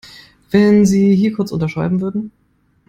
Wenn Sie hier kurz unterschreiben würden.